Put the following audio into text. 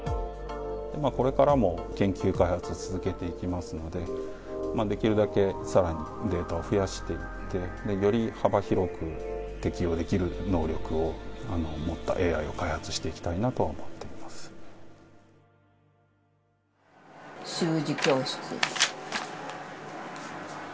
これからも研究開発を続けていきますので、できるだけさらにデータを増やしていって、より幅広く適応できる能力を持ったＡＩを開発していきたいなと思習字教室。